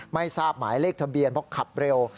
ไม่ทราบหมายเลขทะเบียนเพราะขับเร็ว